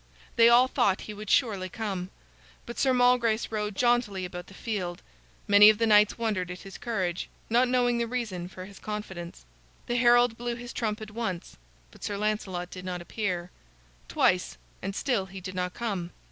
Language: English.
They all thought he would surely come. But Sir Malgrace rode jauntily about the field. Many of the knights wondered at his courage, not knowing the reason for his confidence. The herald blew his trumpet once, but Sir Lancelot did not appear; twice, and still he did not come.